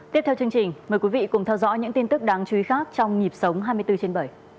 tiếp theo chương trình mời quý vị cùng theo dõi những tin tức đáng chú ý khác trong nhịp sống hai mươi bốn trên bảy